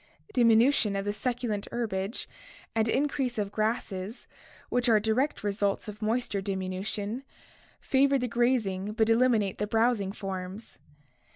Diminution of the succulent herbage and increase of grasses, which are direct results of moisture diminution, favor the grazing but eliminate the browsing forms.